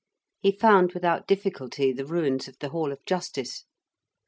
He found without difficulty the ruins of the Hall of Justice.